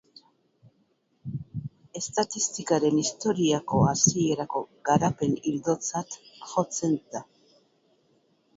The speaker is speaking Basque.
Estatistikaren historiako hasierako garapen-ildotzat jotzen da.